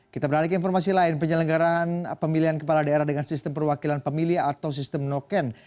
kita beralih ke informasi lain penyelenggaraan pemilihan kepala daerah dengan sistem perwakilan pemilih atau sistem noken